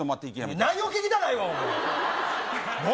内容聞きたないわ、お前。